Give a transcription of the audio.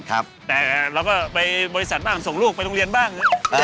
แต่เราก็ไปบริษัทบ้างส่งลูกไปโรงเรียนบ้าง